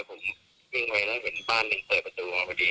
ผมวิ่งไว้แล้วเห็นบ้านเปิดประตูเอาไว้ได้